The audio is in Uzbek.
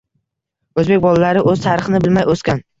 O‘zbek bolalari o‘z tarixini bilmay o‘sgan.